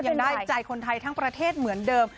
ยังได้ใจคนไทยทั้งประเทศเหมือนเดิม